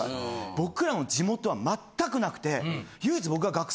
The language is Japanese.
僕らの地元は全くなくて。